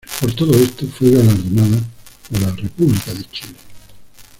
Por todo esto, fue galardonada por la República de Chile.